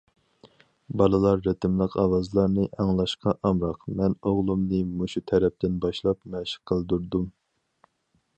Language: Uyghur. بالىلار رىتىملىق ئاۋازلارنى ئاڭلاشقا ئامراق، مەن ئوغلۇمنى مۇشۇ تەرەپتىن باشلاپ مەشىق قىلدۇردۇم.